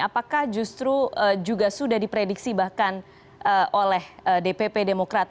apakah justru juga sudah diprediksi bahkan oleh dpp demokrat